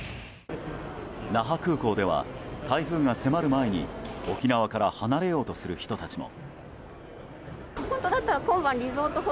那覇空港では台風が迫る前に沖縄から離れようとする人たちも。